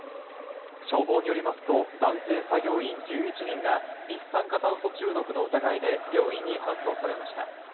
消防によりますと、男性作業員１１人が一酸化炭素中毒の疑いで病院に搬送されました。